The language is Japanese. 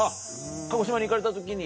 鹿児島に行かれた時に？